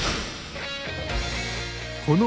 この＃